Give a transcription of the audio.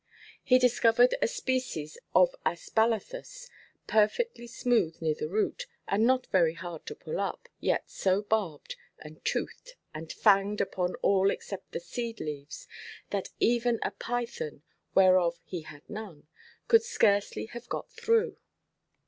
He discovered a species of aspalathus, perfectly smooth near the root, and not very hard to pull up, yet so barbed, and toothed, and fanged upon all except the seed–leaves, that even a python—whereof he had none—could scarcely have got through it.